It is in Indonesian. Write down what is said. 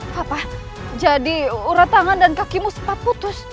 apa jadi urat tangan dan kakimu sempat putus